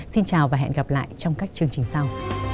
xin chào và hẹn gặp lại trong các chương trình sau